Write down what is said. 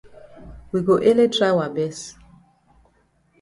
We go ele try wa best.